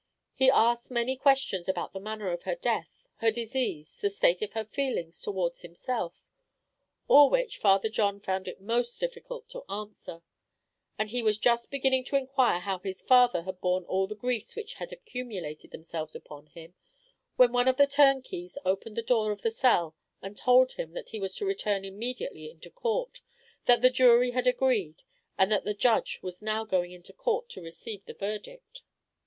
He asked many questions about the manner of her death her disease the state of her feelings towards himself all which Father John found it most difficult to answer; and he was just beginning to inquire how his father had borne all the griefs which had accumulated themselves upon him, when one of the turnkeys opened the door of the cell, and told him that he was to return immediately into court that the jury had agreed and that the judge was now going into court to receive the verdict.